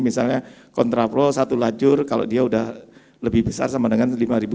misalnya kontrapro satu lajur kalau dia udah lebih besar sama dengan lima ribu lima ratus